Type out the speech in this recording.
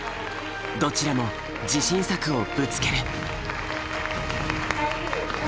どちらも自信作をぶつける。